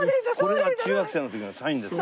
これが中学生の時のサインですか？